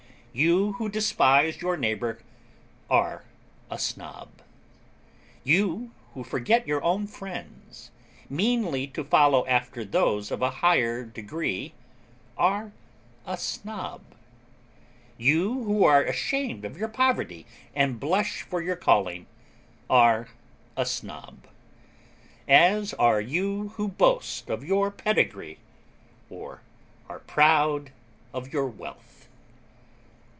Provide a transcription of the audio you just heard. You, who despise your neighbour, are a Snob; you, who forget your own friends, meanly to follow after those of a higher degree, are a Snob; you, who are ashamed of your poverty, and blush for your calling, are a Snob; as are you who boast of your pedigree, or are proud of your wealth.